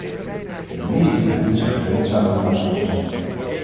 De meesten van hen zijn vreedzame moslims.